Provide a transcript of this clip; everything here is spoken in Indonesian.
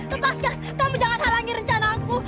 lepaskan kamu jangan halangi rencana aku